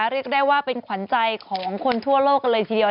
เรียกได้ว่าเป็นขวัญใจของคนทั่วโลกกันเลยทีเดียว